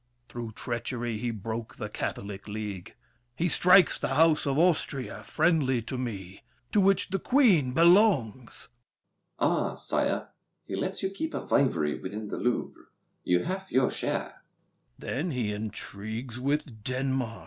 Through treachery he broke the Catholic league; He strikes the house of Austria—friendly To me—to which the Queen belongs. DUKE DE BELLEGARDE. Ah, sire, He lets you keep a vivary within The Louvre. You have your share. THE KING. Then he intrigues With Denmark.